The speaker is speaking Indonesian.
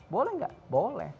boleh enggak boleh